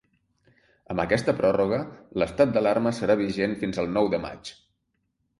Amb aquesta pròrroga, l’estat d’alarma serà vigent fins al nou de maig.